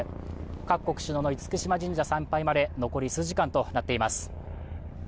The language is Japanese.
各国首脳の厳島神社参拝まで残り数時間となっています。